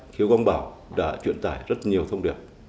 khiếu quang bảo đã truyền tải rất nhiều thông điệp